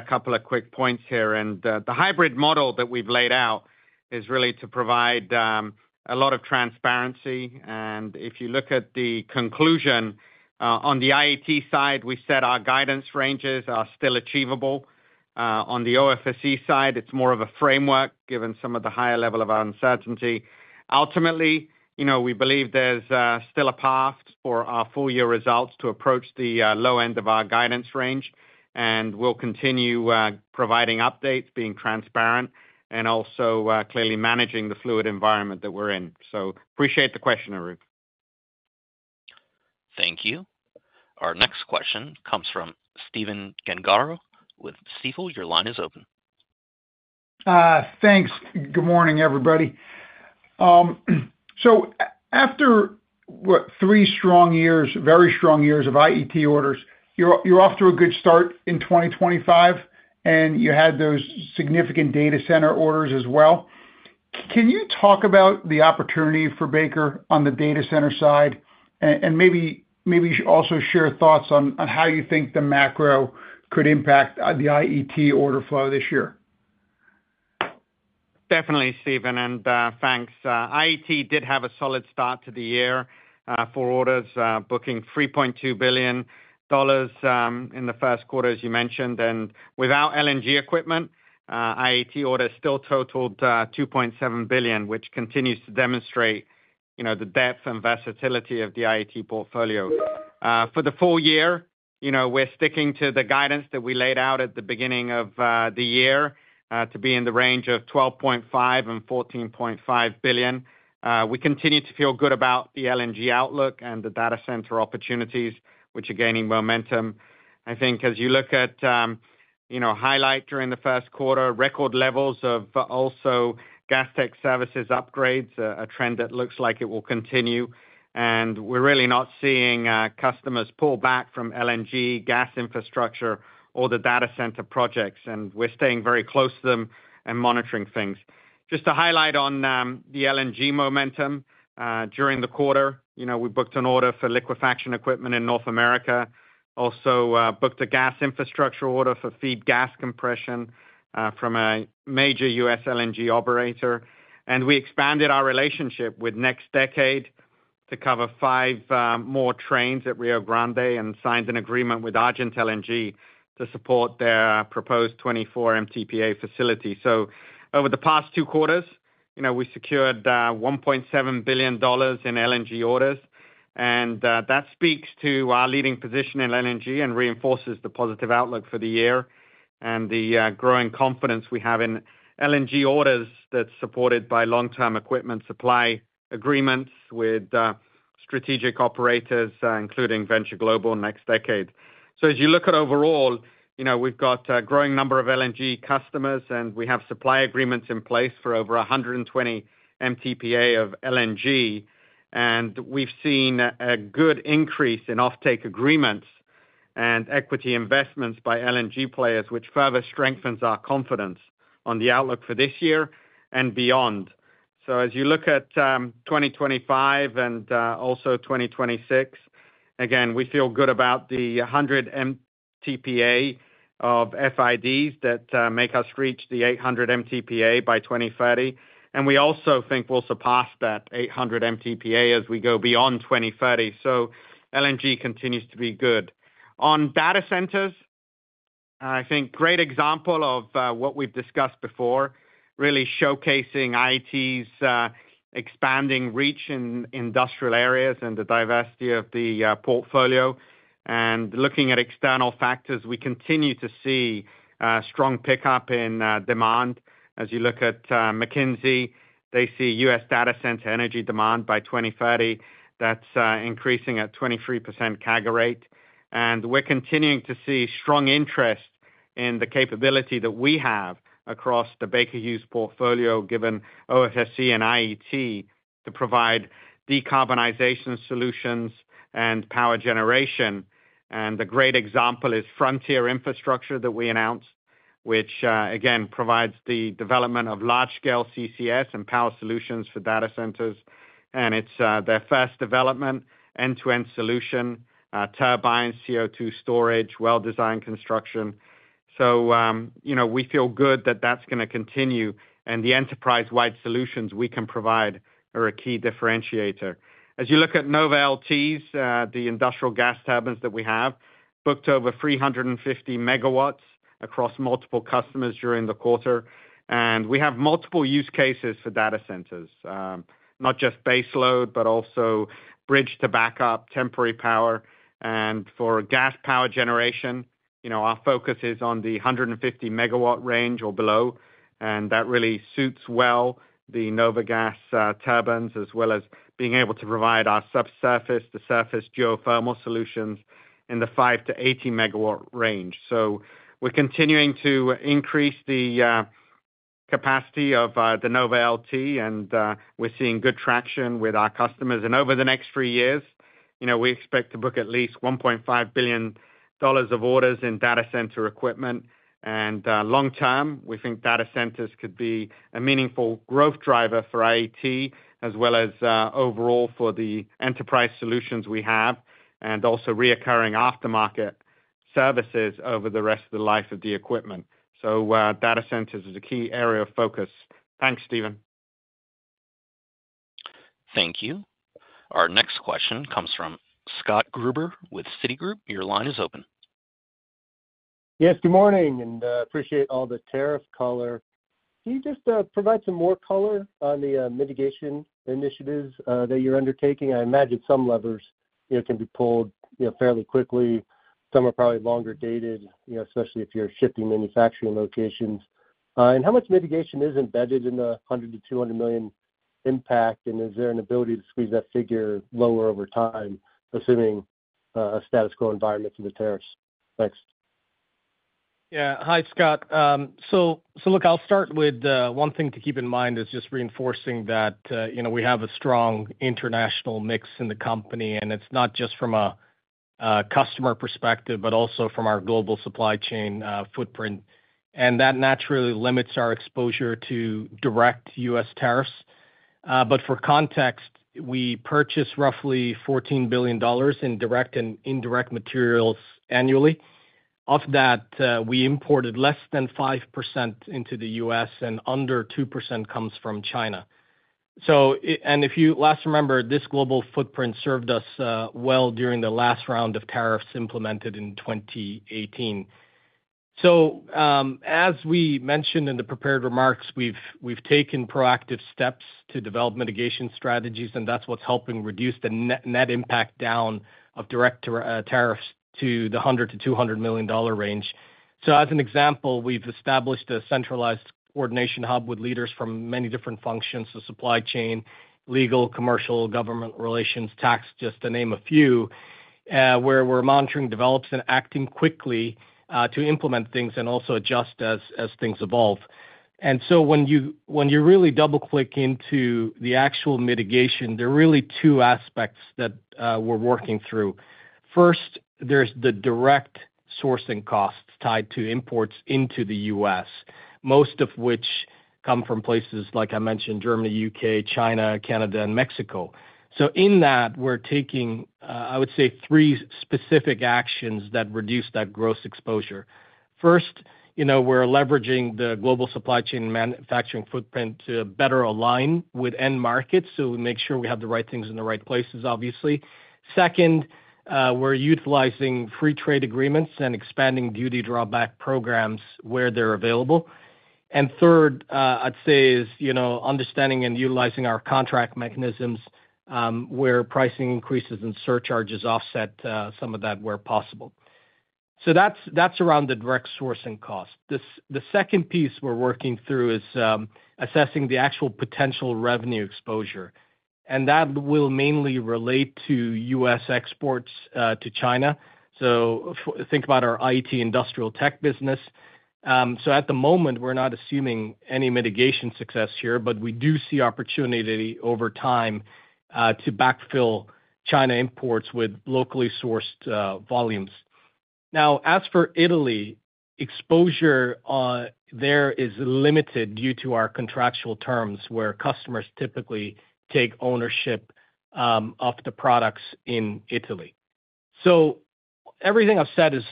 [SPEAKER 3] couple of quick points here. The hybrid model that we've laid out is really to provide a lot of transparency. If you look at the conclusion on the IET side, we said our guidance ranges are still achievable. On the OFSE side, it's more of a framework given some of the higher level of uncertainty. Ultimately, you know, we believe there's still a path for our full year results to approach the low end of our guidance range. We will continue providing updates, being transparent and also clearly managing the fluid environment that we are in. Appreciate the question, Arun.
[SPEAKER 1] Thank you. Our next question comes from Stephen Gengaro with Stifel. Your line is open.
[SPEAKER 6] Thanks. Good morning, everybody. After three strong years, very strong years of IET orders, you're off to a good start in 2025 and you had those significant data center orders as well. Can you talk about the opportunity for Baker on the data center side and maybe also share thoughts on how you think the macro could impact the IET order flow this year?
[SPEAKER 3] Definitely, Stephen, and thanks, IET did have a solid start to the year for orders, booking $3.2 billion in the first quarter as you mentioned, and without LNG equipment, IET orders still totaled $2.7 billion, which continues to demonstrate the depth and versatility of the IET portfolio. For the full year we're sticking to the guidance that we laid out at the beginning of the year to be in the range of $12.5 billion - $14.5 billion. We continue to feel good about the LNG outlook and the data center opportunities which are gaining momentum. I think as you look at highlight during the first quarter, record levels of also Gas Tech Services upgrades, a trend that looks like it will continue and we're really not seeing customers pull back from LNG gas infrastructure or the data center projects and we're staying very close to them and monitoring things. Just to highlight on the LNG momentum during the quarter, we booked an order for liquefaction equipment in North America, also booked a gas infrastructure order for feed gas compression from a major U.S. LNG operator. We expanded our relationship with NextDecade to cover five more trains at Rio Grande and signed an agreement with Argent LNG to support their proposed 24 MTPA facility. Over the past two quarters, we secured $1.7 billion in LNG orders and that speaks to our leading position in LNG and reinforces the positive outlook for the year and the growing confidence we have in LNG orders. That is supported by long term equipment supply agreements with strategic operators including Venture Global and NextDecade. As you look at overall, we have a growing number of LNG customers and we have supply agreements in place for over 120 MTPA of LNG. We've seen a good increase in offtake agreements and equity investments by LNG players, which further strengthens our confidence on the outlook for this year and beyond. As you look at 2025 and also 2026, again we feel good about the 100 MTPA of FIDs that make us reach the 800 MTPA by 2030. We also think we'll surpass that 800 MTPA as we go beyond 2030. LNG continues to be good. On data centers, I think great example of what we've discussed before, really showcasing its expanding reach in industrial areas and the diversity of the portfolio. Looking at external factors, we continue to see strong pickup in demand. As you look at McKinsey, they see U.S. data center energy demand by 2030 that's increasing at 23% CAGR rate. We're continuing to see strong interest in the capability that we have across the Baker Hughes portfolio given OFSE and IET to provide decarbonization solutions and power generation. A great example is Frontier Infrastructure that we announced, which again provides the development of large scale CCS and power solutions for data centers. It's their first development end to end solution, turbine CO2 storage, well designed construction. We feel good that that's going to continue. The enterprise wide solutions we can provide are a key differentiator. As you look at NovaLT's, the industrial gas turbines that we have booked, over 350 MW across multiple customers during the quarter. We have multiple use cases for data centers, not just baseload, but also bridge to backup temporary power. For gas power generation, our focus is on the 150 MW range or below. That really suits well the NovaLT gas turbines as well as being able to provide our subsurface to surface geothermal solutions in the 5 MW - 80 MW range. We are continuing to increase the capacity of the NovaLT and we are seeing good traction with our customers. Over the next three years we expect to book at least $1.5 billion of orders in data center equipment. Long term, we think data centers could be a meaningful growth driver for IET as well as overall for the enterprise solutions we have and also recurring aftermarket services over the rest of the life of the equipment. Data centers is a key area of focus. Thanks, Stephen.
[SPEAKER 1] Thank you. Our next question comes from Scott Gruber with Citigroup. Your line is open.
[SPEAKER 7] Yes, good morning and appreciate all the tariff color. Can you just provide some more color on the mitigation initiatives that you're undertaking? I imagine some levers can be pulled fairly quickly. Some are probably longer dated, especially if you're shifting manufacturing locations. And how much mitigation is embedded in the $100 million - $200 million impact. And is there an ability to squeeze that figure lower over time, assuming a status quo environment for the tariffs? Thanks.
[SPEAKER 4] Yeah. Hi Scott. Look, I'll start with one thing to keep in mind is just reinforcing that, you know, we have a strong international mix in the company and it's not just from a customer perspective, but also from our global supply chain footprint. That naturally limits our exposure to direct U.S. tariffs. For context, we purchased roughly $14 billion in direct and indirect materials annually. Of that, we imported less than 5% into the U.S. and under 2% comes from China. If you last remember, this global footprint served us well during the last round of tariffs implemented in 2018. As we mentioned in the prepared remarks, we've taken proactive steps to develop mitigation strategies and that's what's helping reduce the net impact down of direct tariffs to the $100 million - $200 million range. As an example, we've established a centralized coordination hub with leaders from many different functions, the supply chain, legal, commercial, government relations, tax, just to name a few, where we're monitoring, develops and acting quickly to implement things and also adjust as things evolve. When you really double click into the actual mitigation, there are really two aspects that we're working through. First, there's the direct sourcing costs tied to imports into the U.S., most of which come from places like I mentioned, Germany, U.K., China, Canada and Mexico. In that, we're taking, I would say, three specific actions that reduce that gross exposure. First, we're leveraging the global supply chain manufacturing footprint to better align with end markets so we make sure we have the right things in the right places, obviously. Second, we're utilizing free trade agreements and expanding duty drawback programs where they're available. Third, I'd say is understanding and utilizing our contract mechanisms where pricing increases and surcharges offset some of that where possible. That's around the direct sourcing cost. The second piece we're working through is assessing the actual potential revenue exposure and that will mainly relate to U.S. exports to China. Think about our IT Industrial Tech business. At the moment we're not assuming any mitigation success here, but we do see opportunity over time to backfill China imports with locally sourced volumes. As for Italy, exposure there is limited due to our contractual terms where customers typically take ownership of the products in Italy. Everything I've said is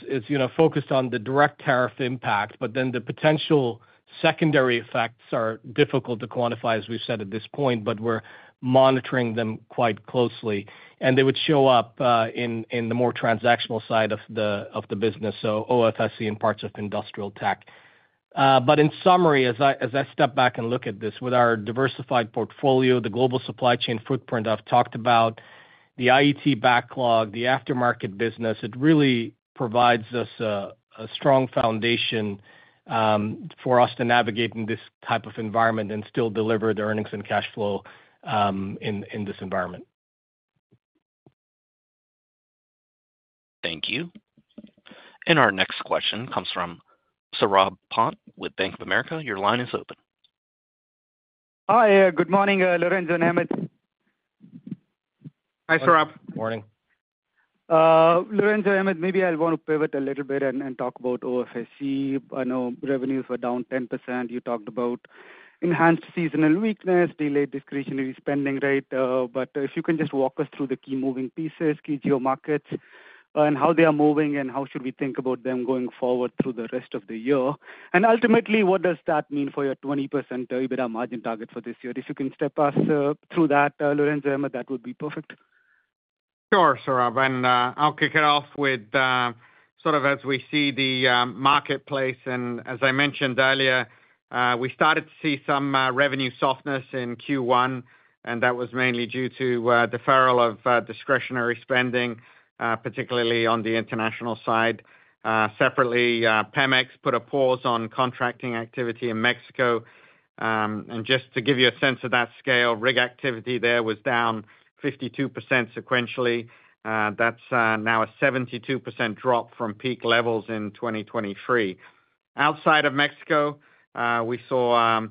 [SPEAKER 4] focused on the direct tariff impact, but the potential secondary effects are difficult to quantify, as we've said at this point. We're monitoring them quite closely and they would show up in the more transactional side of the business. So OFSE and parts of Industrial Tech. In summary, as I step back and look at this, with our diversified portfolio, the global supply chain footprint, I've talked about the IET backlog, the aftermarket business. It really provides us strong foundation for us to navigate in this type of environment and still deliver the earnings and cash flow in this environment.
[SPEAKER 1] Thank you. Our next question comes from Saurabh Pant with Bank of America. Your line is open.
[SPEAKER 8] Hi, good morning, Lorenzo and Ahmed.
[SPEAKER 3] Hi, Saurabh.
[SPEAKER 4] Good morning.
[SPEAKER 8] Lorenzo and Ahmed. Maybe I want to pivot a little bit and talk about OFSE. I know revenues were down 10%. You talked about enhanced seasonal weakness, delayed discretionary spending. If you can just walk us through the key moving pieces, key geo markets and how they are moving and how should we think about them going forward through the rest of the year? Ultimately, what does that mean for your 20% EBITDA margin target for this year? If you can step us through that, Lorenzo and Ahmed, that would be perfect.
[SPEAKER 3] Sure. Saurabh and I'll kick it off with sort of as we see the marketplace. As I mentioned earlier, we started to see some revenue softness in Q1 and that was mainly due to deferral of discretionary spending, particularly on the international side. Separately, PEMEX put a pause on contracting activity in Mexico and just to give you a sense of that scale, rig activity there was down 52% sequentially. That's now a 72% drop from peak levels in 2023. Outside of Mexico, we saw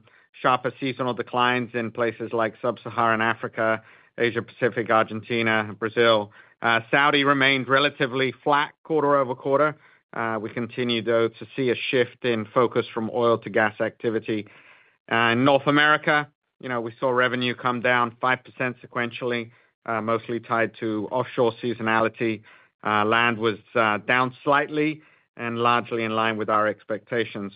[SPEAKER 3] sharper seasonal declines in places like sub-Saharan Africa, Asia Pacific, Argentina, Brazil. Saudi remained relatively flat quarter-over-quarter. We continue though to see a shift in focus from oil to gas activity. In North America we saw revenue come down 5% sequentially, mostly tied to offshore seasonality. Land was down slightly and largely in line with our expectations.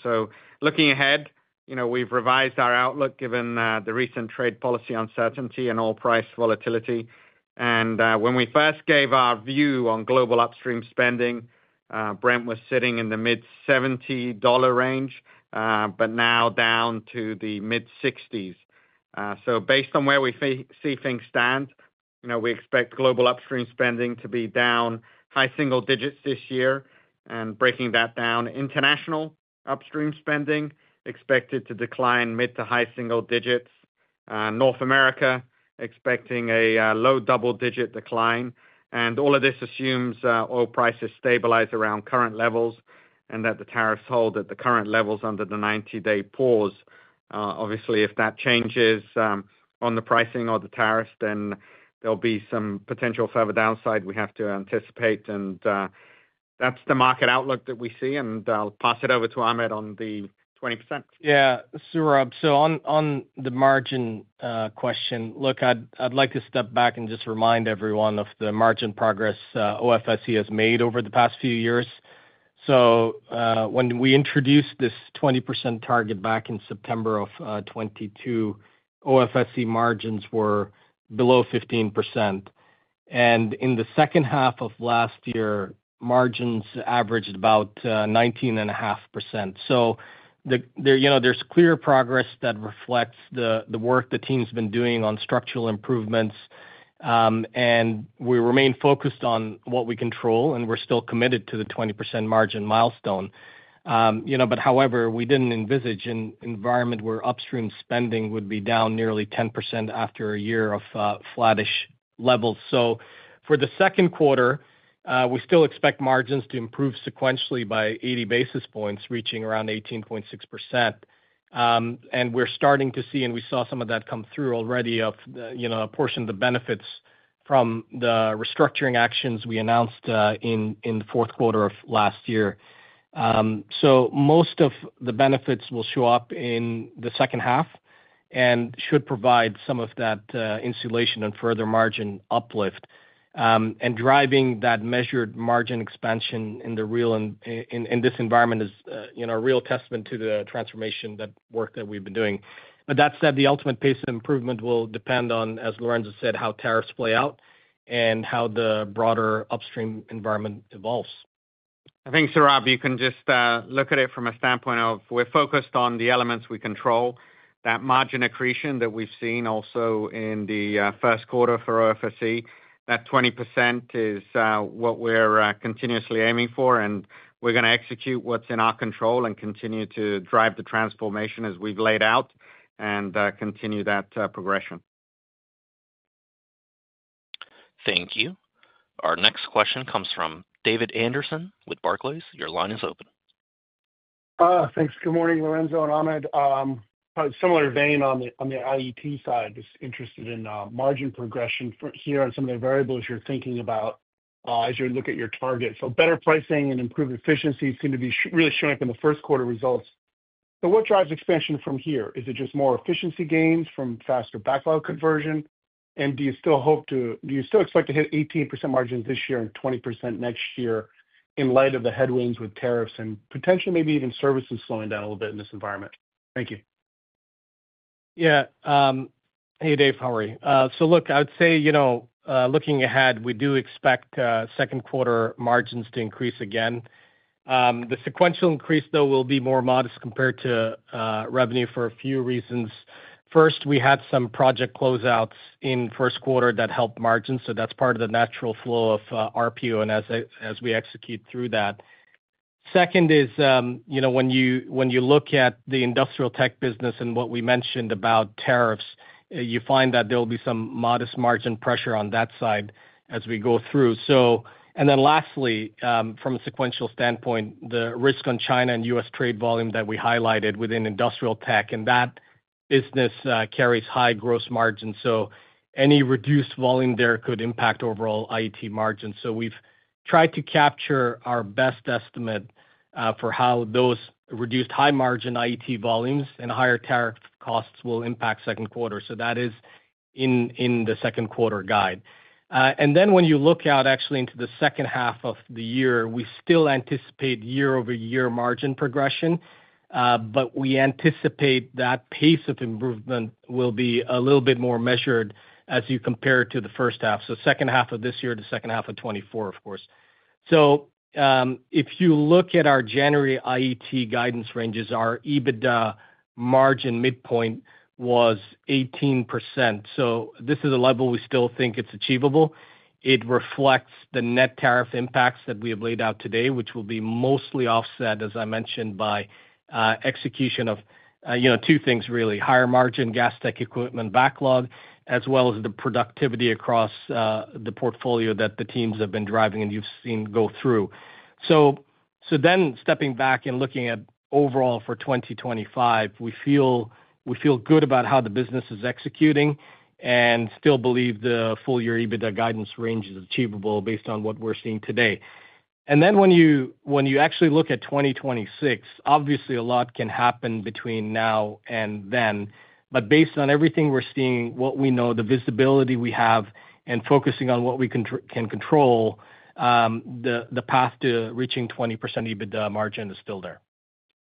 [SPEAKER 3] Looking ahead, we've revised our outlook given the recent trade policy uncertainty and oil price volatility. When we first gave our view on global upstream spending, Brent was sitting in the mid-$70 range, but now down to the mid-$60s. Based on where we see things stand, we expect global upstream spending to be down high single digits this year. Breaking that down, international upstream spending is expected to decline mid- to high single digits. North America is expecting a low double-digit decline. All of this assumes oil prices stabilize around current levels and that the tariffs hold at the current levels under the 90 day pause. Obviously, if that changes on the pricing or the tariffs, then there will be some potential further downside we have to anticipate. That's the market outlook that we see. I'll pass it over to Ahmed on the 20%.
[SPEAKER 4] Yeah, Saurabh. On the margin question, look, I'd like to step back and just remind everyone of the margin progress OFSE has made over the past few years. When we introduced this 20% target back in September of 2022, OFSE margins were below 15%. In the second half of last year margins averaged about 19.5%. There is clear progress that reflects the work the team's been doing on structural improvements and we remain focused on what we control. We are still committed to the 20% margin milestone. However, we did not envisage an environment where upstream spending would be down nearly 10% after a year of flattish levels. For the second quarter, we still expect margins to improve sequentially by 80 basis points, reaching around 18.6%. We're starting to see, and we saw some of that come through already, a portion of the benefits from the restructuring actions we announced in the fourth quarter of last year. Most of the benefits will show up in the second half and should provide some of that insulation and further margin uplift. And driving that measured margin expansion in this environment is a real testament to the transformation that work that we've been doing. That said, the ultimate pace of improvement will depend on, as Lorenzo said, how tariffs play out and how the broader upstream environment evolves.
[SPEAKER 3] I think, Saurabh, you can just look at it from a standpoint of we're focused on the elements we control, that margin accretion that we've seen also in the first quarter for OFSE, that 20% is what we're continuously aiming for and we're going to execute what's in our control and continue to drive the transformation as we've laid out and continue that progression.
[SPEAKER 1] Thank you. Our next question comes from David Anderson with Barclays. Your line is open.
[SPEAKER 9] Thanks. Good morning, Lorenzo and Ahmed, similar vein on the IET side. Just interested in margin progression here. Some of the variables you're thinking about as you look at your target. Better pricing and improved efficiency seem to be really showing up in the first quarter results. What drives expansion from here? Is it just more efficiency gains from faster backlog conversion? Do you still expect to hit 18% margins this year and 20% next year? In light of the headwinds with tariffs and potentially maybe even services slowing down a little bit in this environment. Thank you.
[SPEAKER 4] Yeah. Hey, David, how are you? I would say, you know, looking ahead, we do expect second quarter margins to increase again. The sequential increase, though, will be more modest compared to revenue for a few reasons. First, we had some project closeouts in first quarter that helped margins, so that's part of the natural flow of RPO and as we execute through that. Second is when you look at the Industrial Tech business and what we mentioned about tariffs, you find that there will be some modest margin pressure on that side as we go through. Lastly, from a sequential standpoint, the risk on China and U.S. trade volume that we highlighted within Industrial Tech and that business carries high gross margin. Any reduced volume there could impact overall IET margin. We've tried to capture our best estimate for how those reduced high margin IET volumes and higher tariff costs will impact second quarter. That is in the second quarter guide. When you look out actually into the second half of the year, we still anticipate year-over-year margin progression, but we anticipate that pace of improvement will be a little bit more measured as you compare to the first half. Second half of this year, second half of 2024, of course. If you look at our January IET guidance ranges, our EBITDA margin midpoint was 18%. This is a level we still think is achievable. It reflects the net tariff impacts that we have laid out today, which will be mostly offset, as I mentioned, by execution of two things really: higher margin Gas Tech equipment backlog, as well as the productivity across the portfolio that the teams have been driving and you've seen go through. Then stepping back and looking at overall for 2025, we feel good about how the business is executing and still believe the full year EBITDA guidance range is achievable based on what we're seeing today. When you actually look at 2026, obviously a lot can happen between now and then, but based on everything we're seeing, what we know, the visibility we have and focusing on what we can control. The path to reaching 20% EBITDA margin is still there.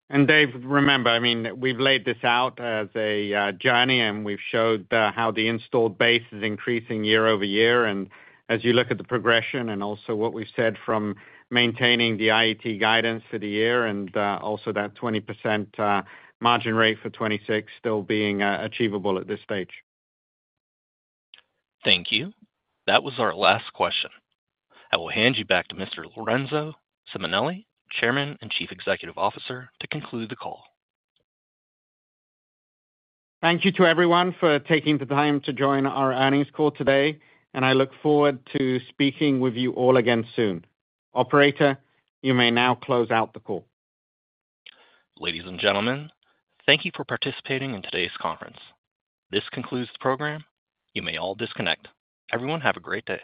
[SPEAKER 3] David, remember, I mean, we've laid this out as a journey and we've showed how the installed base is increasing year-over-year. As you look at the progression and also what we've said from maintaining the IET guidance for the year, and also that 20% margin rate for 2026 still being achievable at this stage.
[SPEAKER 1] Thank you. That was our last question. I will hand you back to Mr. Lorenzo Simonelli, Chairman and Chief Executive Officer, to conclude the call.
[SPEAKER 3] Thank you to everyone for taking the time to join our earnings call today and I look forward to speaking with you all again soon. Operator, you may now close out the call.
[SPEAKER 1] Ladies and gentlemen, thank you for participating in today's conference. This concludes the program. You may all disconnect. Everyone, have a great day.